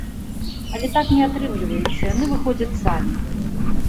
Але так не атрымліваецца, яны выходзяць самі.